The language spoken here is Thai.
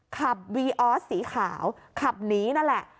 ขับวีออสสีขาวขับหนีนั่นแหละ